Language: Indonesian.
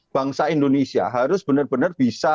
bangsa indonesia harus benar benar bisa